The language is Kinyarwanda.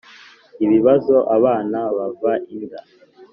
Ibibazo abana bava inda